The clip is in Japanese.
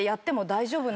大丈夫。